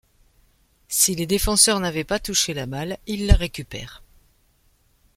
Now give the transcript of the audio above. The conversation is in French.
Si les défenseurs n’avaient pas touché la balle, ils la récupèrent.